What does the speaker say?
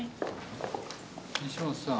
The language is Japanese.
西本さん